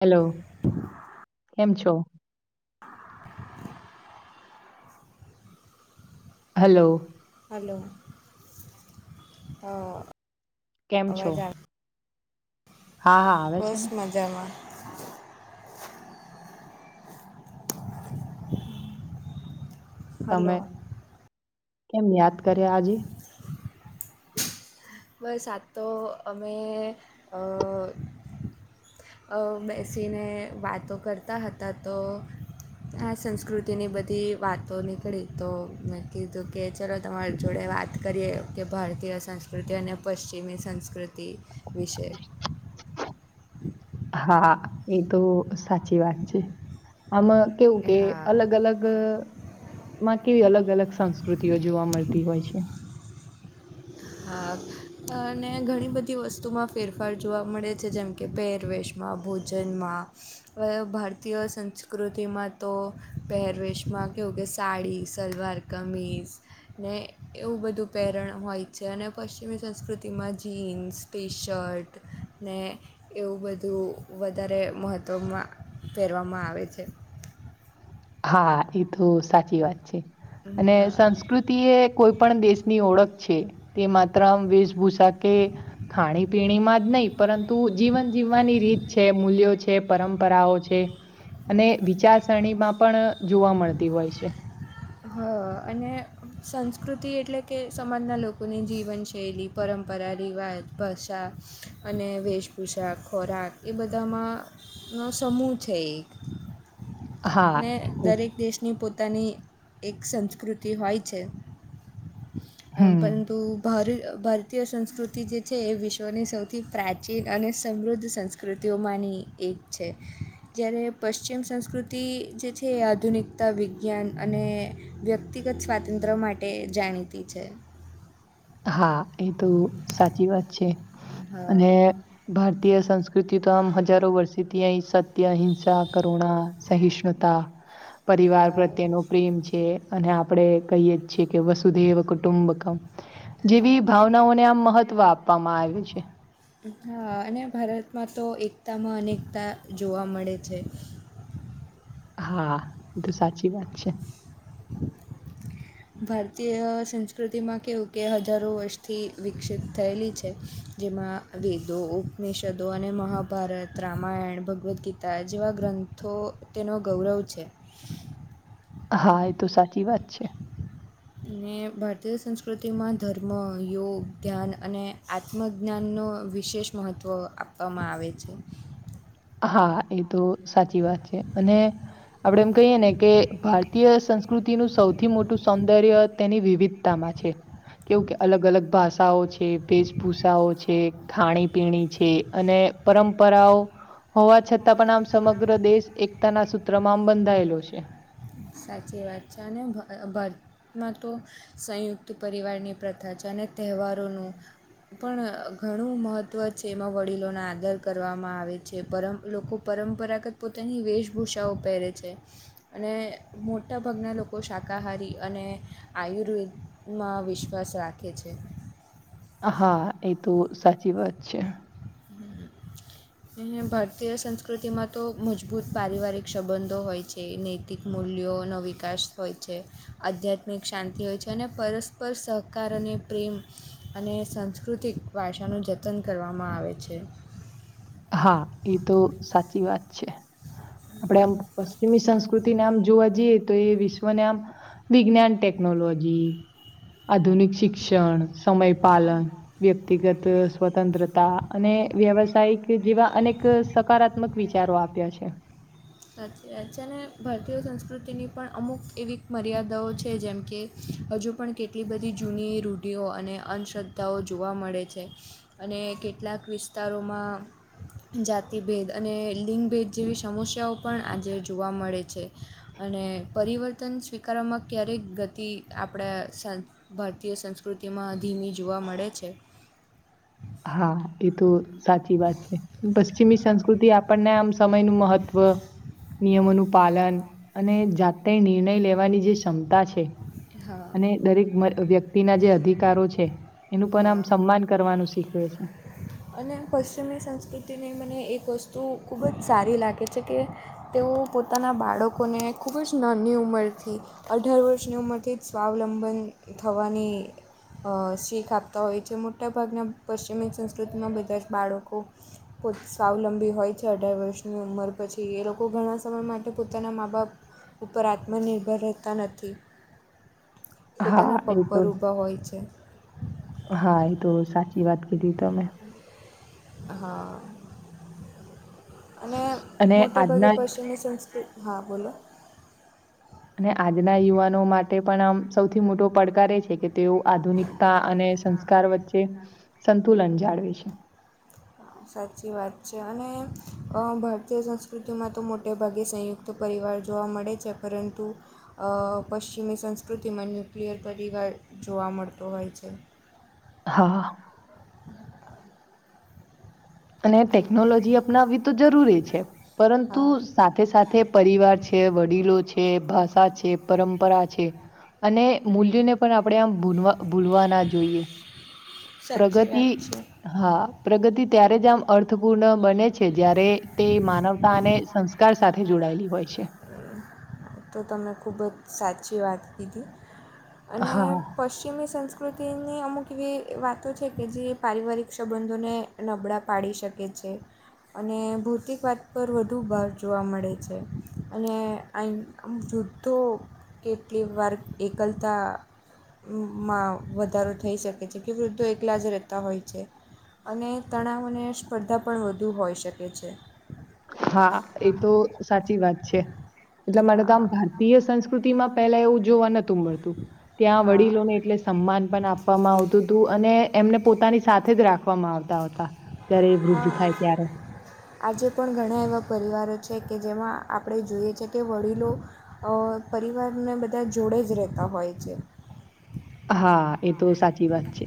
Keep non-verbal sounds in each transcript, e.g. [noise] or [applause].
Hello કેમ છો? [inaudible] Hello. Hello હ કેમ છો? હા હા આવે છે બસ ને મજામાં. તમે હલો. કેમ યાદ કર્યા આજે? બસ આત તો અમે. બેસીને વાતો કરતા હતા તો. આ સંસ્કૃતિની બધી વાતો નીકળી તો મે કીધું કે ચલો તમારી જોડે વાત કરીએ કે ભારતીય સંસ સ્કૃતિ અને પશ્ચિમી સંસ્કૃતિ વિશે. હા એ તો સાચી વાત છે. આમાં કેવું કે હા અલગ અલગ માં કેવી અલગ અલગ સંસ્કૃતિઓ જોવા મળતી હોય છે. હા અને ઘણી બધી વસ્તુમાં ફેરફાર જોવા મળે છે જેમ કે પહેરવેશ. ભોજનમાં. હવે ભારતીય સંસ્કૃતિમાં તો પહેરવેશમાં કેવું કે સાડી સલવાર. કમીઝ ને એવું બધું પહેરણ હોય. છે અને પશ્ચિમી સંસ્કૃતિમાં જીન્સ પી શર્ટ ને. એવું બધું વધારે મહત્ત્વમાં ફહેરવામાં આવે છે. હા એ તો સાચી વાત છે અને હા સંસ્કૃત. તી એ કોઈ પણ દેશની ઓળખ છે તે માત્રમ વેશભૂષા કે. ખાણી પીણીમાં જ નહીં પરંતુ જીવન જીવવાની રીત છે મૂલ્યો છે. છે પરંપરાઓ છે અને વિચારસરણીમાં પણ જોવા મળતી હોય છે. હા અને સંસ્કૃતિ એટલે કે સમાજના લોકોની જીવનશૈલી. પરંપરા રિવાજ ભાષા અને વેશભૂષા ખોરાક એ બધામાં. નો સમૂહ છે એક. હા અને એ તો- દરેક દેશ. ની પોતાની એક સંસ્કૃતિ હોય છે. હમ પરંતુ. ભાર ભારતીય સંસ્કૃતિ જે છે એ વિશ્વની સૌથી પ્રાચીન અને સમૃદ્ધ સંસ્કૃ. કૃતિઓમાંની એક છે જ્યારે પશ્ચિમ સંસ્કૃતિ. તે જે છે એ આધુનિકતા વિજ્ઞાન અને. વ્યક્તિગત સ્વાતંત્ર્ય માટે જાણીતી છે. હા એ તો સાચી વાત છે હા અને. ભારતીય સંસ્કૃતિ તો અમ હજારો વર્ષીથી અહીં સત્ય અહિંસા કરુણા સહિષ્ણુતા. [inaudible] પરિવાર હા પ્રત્યેનો પ્રેમ છે અને આપડે કહીએ છીએ કે વસુધેવ કુટુંબ. હા જેવી ભાવનાઓને આમ મહત્વ આપવામાં આવે છે. હા અને ભારતમાં તો એકતામાં અનેકતા જોવા મળે છે. હા એ તો સાચી વાત છે. [inaudible] ભારતીય સંસ્કૃતિમાં કેવું કે હજારો વર્ષથી વિકસિત થયેલી છે. જેમાં વેદો ઉપનિષદો અને મહાભારત રામાયણ ભગવદ્ ગીતા જેવા ગ્રંથ. તો તેનો ગૌરવ છે. હા એ તો સાચી વાત છે. અને ભારતીય સંસ્કૃતિમાં ધર્મ યોગ ધ્યાન અને. આત્મજ્ઞાનનો વિશેષ મહત્ત્વ આપવામાં આવે છે. હા એ તો સાચી વાત છે અને આપડે એમ કહીએ ને કે ભારતીય સંસ્. પ્રકૃતિનું સૌથી મોટું સૌંદર્ય તેની વિવિધતામાં છે. કેવું કે અલગ અલગ ભાષાઓ છે વેશભૂષાઓ છે. ખાણી પીણી છે અને પરંપરાઓ. હોવા છતાં પણ આમ સમગ્ર દેશ એકતાના સૂત્રમાં આમ બંધાયેલો છે. સાચી વાત છે અને ભર. માં તો સંયુક્ત પરિવારની પ્રથા છે અને તહેવારોનું. પણ ઘણું મહત્વ છે એમાં વડીલોને આદર કરવામાં આવે છે પરમ લોકો પરંપરાગત પોતાની વેશભૂષાઓ પહેરે છે અને મોટાભાગના લોકો શાકાહારી અને આયુર્વેદમાં વિશ્વાસ રાખે છે. હા એ તો સાચી વાત છે. [inaudible] ભારતીય સંસ્કૃતિમાં તો મજબૂત પારિવારિક સંબંધો હોય છે આર્થિક મૂલ્યોનો વિકાસ હોય છે. આધ્યાત્મિક શાંતિ હોય છે અને પરસ્પર સહકાર અને પ્રેમ અને સંસ્કૃતિક ભાષાનું જતન કરવામાં આવે છે. હા એ તો સાચી વાત છે આપડે આમ પશ્ચિમી સંસ્કૃતિને આમ જોવા જઈએ તો એ વિશ્વને આમ વિજ્ઞાન ટેકનોલોજી આધુનિક શિક્ષણ સમય પાલન વ્યક્તિગત સ્વતંત્રતા અને વ્યવસાયિક જેવા અનેક સકારાત્મક વિચારો આપ્યા છે છે અને ભારતીય સંસ્કૃતિની પણ અમુક એવી મર્યાદાઓ છે જેમ કે હજુ પણ કેટલી બધી જૂની રૂઢિઓ અને અંધંધશ્રદ્ધાઓ જોવા મળે છે અને કેટલાક વિસ્તારોમાં જાતિભેદ અને લિંગભેદ જેવી સમસ્યાઓ પણ આજે જોવા મળે છે અને પરિવર્તન સ્વીકારવામાં ક્યારેક ગતિ આપણા ભારતીય સંસ્કૃતિમાં ધીમી જોવા મળે છે હા એ તો સાચી વાત છે પશ્ચિમી સંસ્કૃતિ આપણને આમ સમય ન મહત્વ નિયમોનું પાલન અને જાતે નિર્ણય લેવાની જે ક્ષમતા છે હા અને દરેક વ્યક્તિના જે અધિકારો છે એનું પણ આમ હા સન્માન કરવાનું શીખવે છે અને પશ્ચિમી સંસ્કૃતિને મને એક વસ્તુ ખૂબ જ સારી લાગે છે કે તેઓ પોતાના બાળકોને ખૂબ જ નાની ઉંમર થી અઢાર વર્ષની ઉંમરથી જ સ્વાવલંબન થવાની અ શીખ આપતા હોય છે મોટાભાગના પશ્ચિમી સંસ્કૃતિમાં બધા જ બાળકો પો સ્વાવલંબી હોય છે અઢાર વર્ષની ઉંમર પછી એ લોકો ઘણા સમય માટે પોતાના મા બાપ ઉપર આત્મનિર્ભર રહેતા નથી હા પોતાના પગ એ તો પર ભા હોય છે હા એ તો સાચી વાત કીધી તમે હા અને અને મોટે ભાગે આજના પશ્ચિમની સંસ્કૃતિ હા બોલો અને આજના યુવાનો માટે પણ આમ સૌથી મોટો પડકાર એ છે કે તેઓ આધુનિક અને સંસ્કાર વચ્ચે સંતુલન જાળવે છે સાચી વાત છે અને ભારતીય સંસ્કૃતિમાં તો મોટે ભાગે સંયુક્ત તો પરિવાર જોવા મળે છે પરંતુ પશ્ચિમી સંસ્કૃતિમાં ન્યુક્લિયર પરિવાર જોવા મળતો હોય છે હા હ અને ટેકનોલોજી અપનાવવી તો જરૂરી છે પરંતુ હા સાથે સાથે પરિવાર છે વડીલો છે ભાષા છે પરંપરા છે અને મૂલ્યોને પણ આપણેે આમ ભ ભૂલવા ના જોઈએ સાચી પ્રગતિ વાત છે હા પ્રગતિ ત્યારે જેમ અર્થપૂર્ણ બને છે જય્યારે તે માનવ તા અને સંસ્કાર સાથે જોડાયેલી હોય છે તો તમને ખૂબ જ સાચી વાત કીધી અને હા. પશ્ચિમી સંસ્ક સંકૃતિની અમુક એવી વાતો છે કે જે પારિવારિક સંબંધોને નબળા પાડી શકે છે અને ભૌતિક વાદ પર વધુ ભાર જોવા મળે છે અને આ વૃદ્ધો કેટલી વાર એકલતા માં વધારો થઈ શકે છે કે વૃદ્ધો એકલા જ રહેતા હોય છે અને તણાવને સ્પર્ધા પણ વધુ હોઈ શકે છે હા એ તો સાચી વાત છે એટલે મારે તો આમ હા ભાર ય સંસ્કૃતિ માં પેલા એવું જોવા નતું મળતું ત્યાં વડીલો ને હા એટલે સન્માન પણ આપવામાં આવતું હતું અને એમને પોતાની સાથે જ રાખ આપવામાં આવતા હતા ત્યારે એ વૃદ્ધ થાય ત્યારે આજે પણ ઘણા એવા પરિવારો છે કે જેમાં આપણે જોઈએ છે કે વડીલો પરિવારને બધા જોડે જ રહેતા હોય છે હા એ તો સાચી વાત છે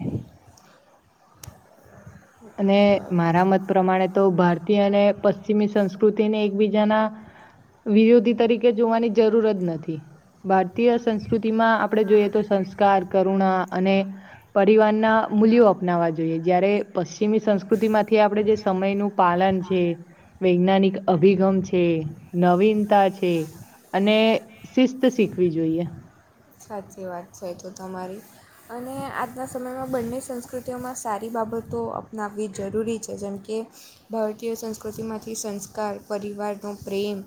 હ અને મારા મત પ્રમાણે તો ભારતીય અને પશ્ચિમી સંસ્કૃતિને એકબીજાના વિરોધી તરીકે જોવાની જરૂર જ નથી ભારતીય સંસ્કૃતિ માં આપડે જોઈએ તો સંસ્કાર કરુણા અને પરિવાર ના મૂલ્યો અપનાવા જોઈએ જયારે પશ્ચિમી સંસ્કૃતિ માંથી આપડે જે સમય નું પાલન છે વૈજ્ઞાનિક અભિગમ છે નવીનતા છે અને શિસ્ત શીખવી જોઈએ. સાચી વાત છે એ તો તમારી. અને આજના સમયમાં બંને સંસ્કૃતિઓમાં સારી બાબતો અપનાવવી જરૂરી છે જેમ કે ભારતીય સંસ્કૃતિમાંથી સંસ્કાર પરિવારનો પ્રેમ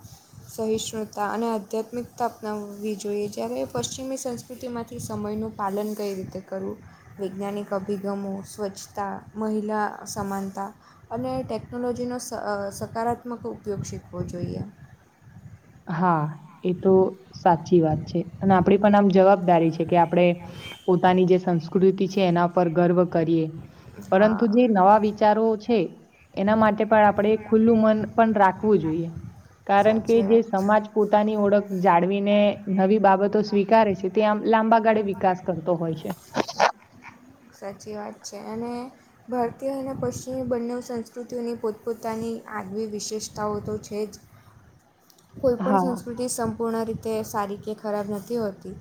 સહિષ્ણુતા અને આધ્યાત્મિકતા અપનાવવી જોઈએ જ્યારે પશ્ચિમી સંસ્કૃતિમાંથી સમયનું પાલન કઈ રીતે કરવું. વૈજ્ઞાનિક અભિગમો સ્વચ્છતા મહિલા સમાનતા અને ટેકનોલોજીનો સ સકારાત્મક ઉપયોગ શીખવો જોઈએ. હા એ તો સાચી વાત છે અને આપડે પણ આમ જવાબ જવાબદારી છે કે આપણે પોતાની જે સંસ્કૃતિ છે એના પર ગર્વ કરીએ. પરંતુ હા જે નવા વિચારો છે એના માટે પણ આપણે ખુલ્લું મન પણ રાખવું જોઈએ કારણ કે સાચી જે વાત છે સમાજ પોતાની ઓળખ જાળવીને નવી બાબતો સ્વીકારે છે ત આમ લાંબા ગાળે વિકાસ કરતો હોય છે. [inaudible] સાચી વાત છે અને ભારતીય અને પશ્ચિમી બંને સંસ્કૃતિઓની પોતપોતાની આગવી વિશેષતાઓ તો છે જ કોઈપણ હા સંસ્કૃતિ સંપૂર્ણ રીતે સારી કે ખરાબ નથી હોતી.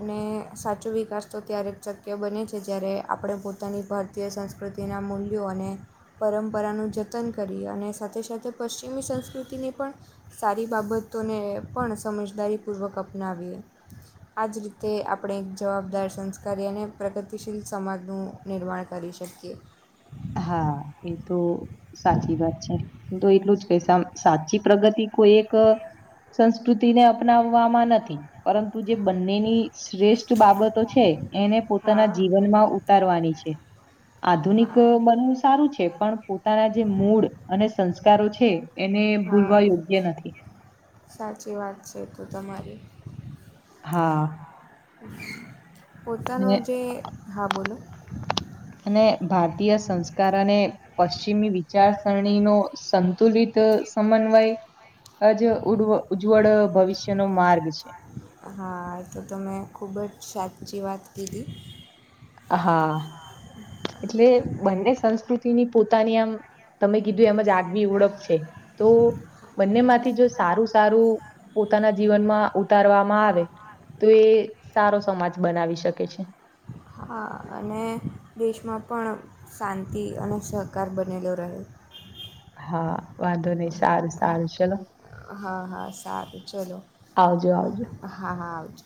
અને સાચો વિકાસ તો ત્યારે જ શક્ય બને છે જ્યારે આપણે પોતાની ભર ભારતીય સંસ્કૃતિના મૂલ્યો અને પરંપરાનું જતન કરી અને સાથે સાથે પશ્ચિમી સંસ્કૃતિની પણ સારી બાબતોને પણ સમજદારીપૂર્વક અપનાવીએ. આ જ રીતે આપણે એક જવાબદાર સંસ્કારી અને પ્રગતિશીલ સમાજનું નિર્માણ કરી શકીએ. હા એ તો સાચી વાત છે તો એટલું જ કે સાચી પ્રગતિ કોઈ એક સંસ્કૃતિ ને અપનાવવામાં નથી પરંતુ જે બંનેની શ્રેષ્ઠ બાબતો છે એને પોતાના હા જીવનમાં ઉતારવાની છે. આધુનિક હા બ સારું છે પણ પોતાના જે મૂળ અને સંસ્કારો છે. એને હા ભૂલવા યોગ્ય નથી. સાચી વાત છે એ તો તમારી. હા. પોતાનું અને જે હા બોલો અને ભારતીય સંસ્કારને પશ્ચિમી વિચારસરણી નો સંતુલિત સમન્વય આજ ઉ ઉજ્જવળ ભવિષ્ય નો માર્ગ છે. હા તો તો મેં ખૂબ જ છાદી વાત કેધી હા. એટલે બંને સંસ્કૃતિની પોતાની આમ તમે કીધું એમ જ આગ બી ઓળખ છે તો બંને માંથી જો સારું સારું પોતાના જીવનમાં ઉતારવામાં આવે, તો એ સારો સમાજ બનાવી શકે છે. હા, અને દેશમાં પણ શાંતિ અને સહકાર બનેલો રહે. હા, વાંધો નહીં સારું, સારું ચલો. હા હા, સારું ચલો આવજો આવજો. હા હા આવજો.